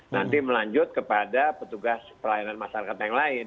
nanti melanjut kepada petugas pelayanan masyarakat yang lain